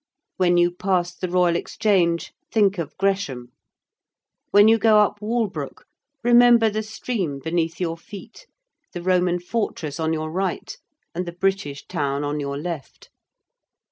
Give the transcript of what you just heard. When you pass the Royal Exchange think of Gresham: when you go up Walbrook remember the stream beneath your feet, the Roman Fortress on your right, and the British town on your left.